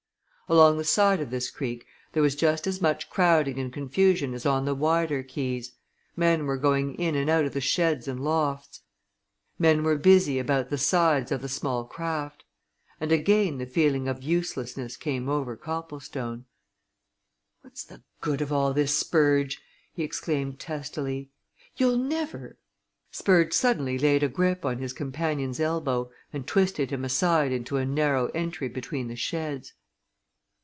Along the side of this creek there was just as much crowding and confusion as on the wider quays; men were going in and out of the sheds and lofts; men were busy about the sides of the small craft. And again the feeling of uselessness came over Copplestone. "What's the good of all this, Spurge!" he exclaimed testily. "You'll never " Spurge suddenly laid a grip on his companion's elbow and twisted him aside into a narrow entry between the sheds.